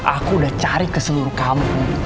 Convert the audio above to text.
aku udah cari keseluruh kampung